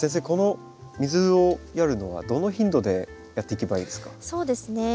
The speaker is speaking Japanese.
この水をやるのはどの頻度でやっていけばいいですか？